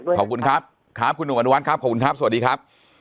ขอบคุณนะครับคุณหนุ่มครับขอบคุณครับคุณหนุ่มอันวันครับขอบคุณครับสวัสดีครับ